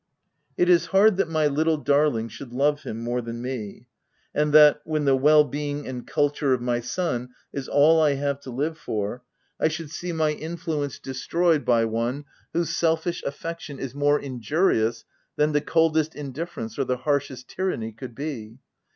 It is hard that my little darling should love him more than me ; and that, when the well being and culture of my son is all I have to live for, I should see my influence destroyed Q 2 340 THE TENANT by one whose selfish affection is more injurious than the coldest indifference or the harshest tyranny could be.